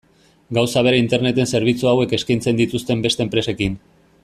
Gauza bera Interneten zerbitzu hauek eskaintzen dituzten beste enpresekin.